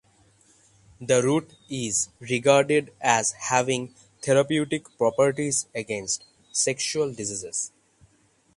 The root is regarded as having therapeutic properties against sexual diseases.